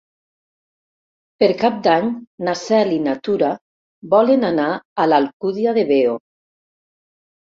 Per Cap d'Any na Cel i na Tura volen anar a l'Alcúdia de Veo.